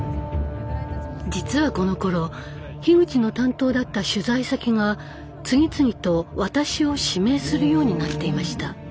実はこのころ樋口の担当だった取材先が次々と私を指名するようになっていました。